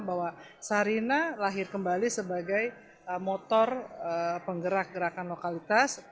bahwa sarina lahir kembali sebagai motor penggerak gerakan lokalitas